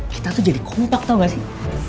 kita tuh jadi kompak tahu gak sih